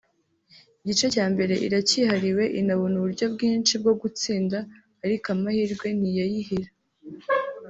igice cya mbere iracyihariwe inabona uburyo bwinshi bwo gutsinda ariko amahirwe ntiyayihira